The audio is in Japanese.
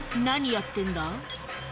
何やってんだ？